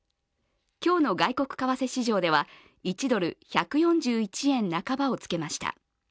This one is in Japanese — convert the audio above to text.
今日の外国為替市場では１ドル＝１４１円半ばをつけました。